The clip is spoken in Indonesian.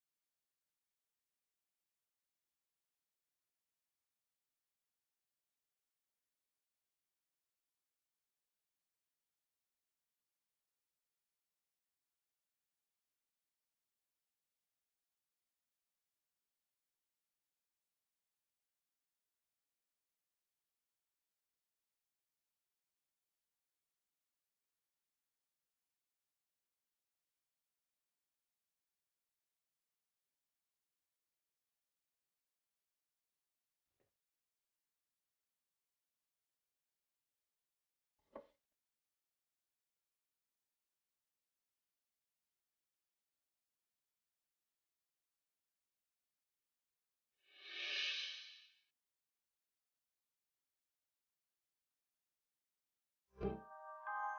jangan lupa ass cybersecurity djinn dua aa kecooxa etain bzw